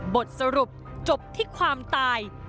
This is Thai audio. บทสรุปจบที่ความตาย